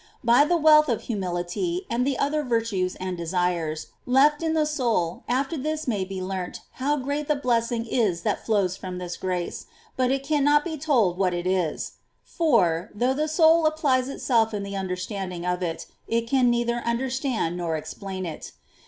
By the wealth of humility, and other virtues and desires, left in the soul after this may be learnt how great the blessing is that flows from this grace, but it cannot be told what it is ; for, though the soul applies itself to the understanding of it, it can neither understand nor explain it.